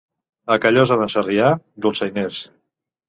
A Callosa d'en Sarrià, dolçainers.